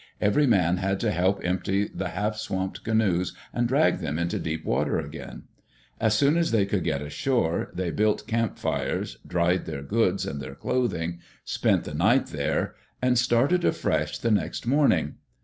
Every man had to help empty the half swamped canoes and drag them into deep water again. As soon as they could get ashore, they built camp fires, dried their goods and their clothing, spent the night there, and started afresh the next morning.